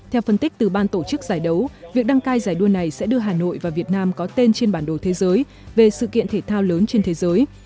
theo phân tích từ ban tổ chức giải đấu việc đăng cai giải đua này sẽ đưa hà nội và việt nam có tên trên bản đồ thế giới về sự kiện thể thao lớn trên thế giới